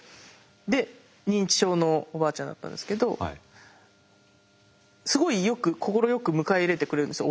で認知症のおばあちゃんだったんですけどすごいよく快く迎え入れてくれるんですよ